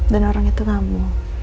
dan orang itu kamu